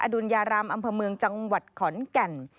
อดุญารามอำภาเมืองจังหวัดขอนกัน